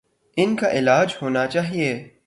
ان کا علاج ہونا چاہیے۔